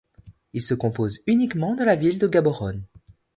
Il se compose uniquement de la ville de Gaborone.